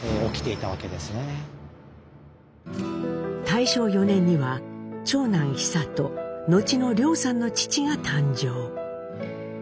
大正４年には長男久渡後の凌さんの父が誕生。